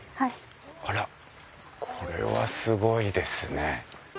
あらこれはすごいですね。